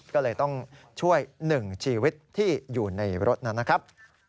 ก็เลยต้องช่วย๑ชีวิตที่อยู่ในรถนั้นนะครับ